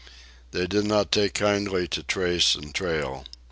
They did not take kindly to trace and trail.